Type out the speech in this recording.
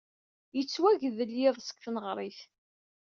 Yettwagdel yiḍes deg tneɣrit.